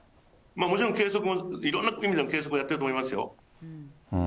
もちろん計測も、いろんな意味の計測もやってると思いますよ。